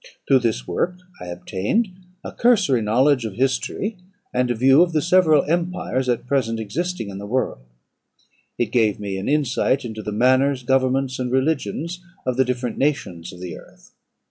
Through this work I obtained a cursory knowledge of history, and a view of the several empires at present existing in the world; it gave me an insight into the manners, governments, and religions of the different nations of the earth.